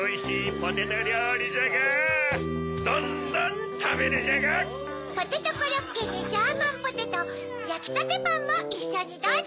ポテトコロッケにジャーマンポテトやきたてパンもいっしょにどうぞ！